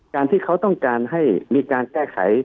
การที่เขาต้องการให้มีการแก้ไข